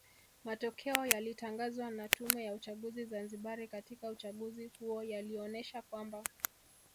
Matokeo yaliyatangazwa na Tume ya uchaguzi Zanzibari katika uchaguzi huo yalionesha kwamba